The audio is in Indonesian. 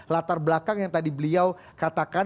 latar belakang yang tadi beliau katakan